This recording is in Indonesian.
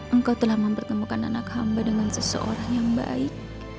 engkau telah mempertemukan anak hamba dengan seseorang yang baik